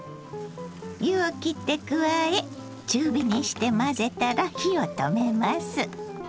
湯をきって加え中火にして混ぜたら火を止めます。